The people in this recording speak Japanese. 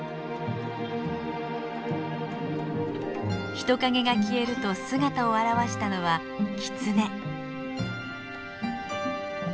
人影が消えると姿を現したのはキツネ。